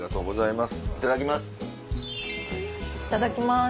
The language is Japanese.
いただきます。